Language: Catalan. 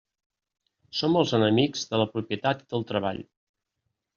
Som els enemics de la propietat i del treball.